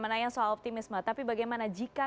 menanyakan soal optimisme tapi bagaimana jika